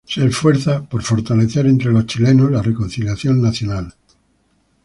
Se esfuerza por fortalecer entre los chilenos la Reconciliación Nacional.